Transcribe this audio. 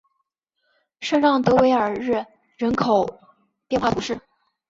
圣让德韦尔日人口变化图示